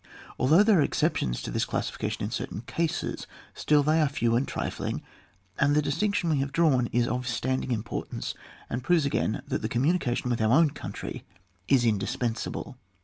Although there are exceptions to this classification in certain cases, still they are few and trifiing, and the distinction we have drawn is of standing importance, and proves again that the conmiunication with our own country is indispensable.